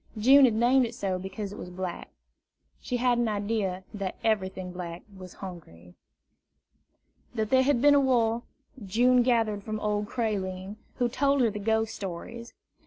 June had named it so because it was black. She had an idea that everything black was hungry. That there had been a war, June gathered from old Creline, who told her the ghost stories.